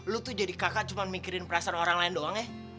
lu tuh jadi kakak cuma mikirin perasaan orang lain doang ya